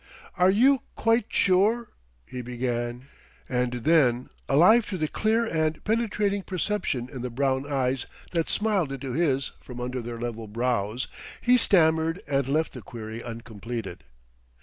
"Are you quite sure " he began; and then, alive to the clear and penetrating perception in the brown eyes that smiled into his from under their level brows, he stammered and left the query uncompleted.